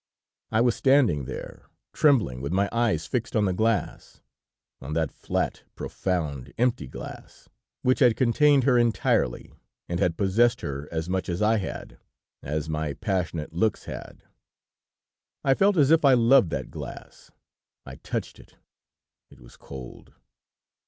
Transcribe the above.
I was standing there, trembling, with my eyes fixed on the glass on that flat, profound, empty glass which had contained her entirely, and had possessed her as much as I had, as my passionate looks had. I felt as if I loved that glass. I touched it, it was cold.